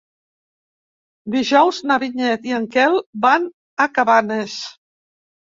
Dijous na Vinyet i en Quel van a Cabanes.